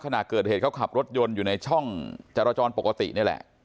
ขณะเกิดเหตุเขาขับรถยนต์อยู่ในช่องจรจรปกตินี่แหละ